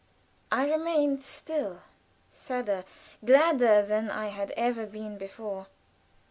I remained still sadder, gladder than I had ever been before.